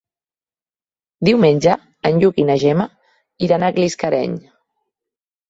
Diumenge en Lluc i na Gemma iran a Gisclareny.